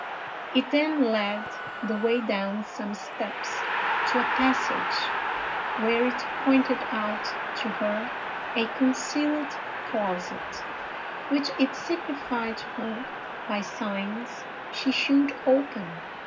It then led the way down some steps to a passage, where it pointed out to her a concealed closet, which it signified to her, by signs, she should open.